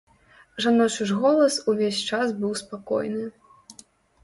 Жаночы ж голас увесь час быў спакойны.